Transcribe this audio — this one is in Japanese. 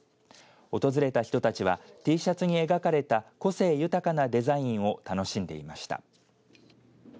訪れた人たちはＴシャツに描かれた個性豊かなデザインを楽しんでいました。